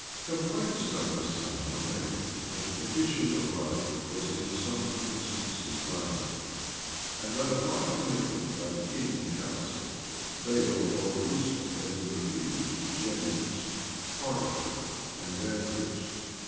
Complaints about this time were made, that the petition of right was in some instances violated; and that, upon a commitment by the king and council, bail or releasement had been refused to Jennings, Pargiter, and Danvers.